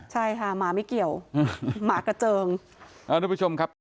ใช่ค่ะหมาไม่เกี่ยวหมากระเจิงอ่าทุกผู้ชมครับ